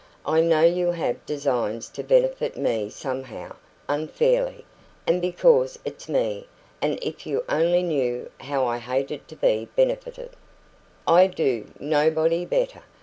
"I know you have designs to benefit me somehow unfairly, and because it's me and if you only knew how I HATED to be benefited " "I do nobody better.